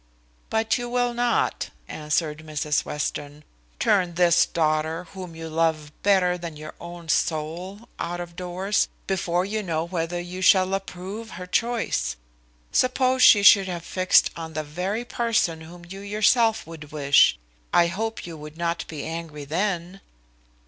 "But you will not," answered Mrs Western, "turn this daughter, whom you love better than your own soul, out of doors, before you know whether you shall approve her choice. Suppose she should have fixed on the very person whom you yourself would wish, I hope you would not be angry then?"